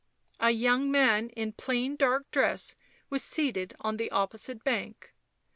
A young man in a plain dark dress was seated on the opposite bank.